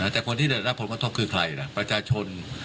แต่คนที่ได้รับผลกระทบคือใครล่ะประชาชน